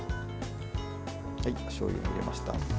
しょうゆを入れました。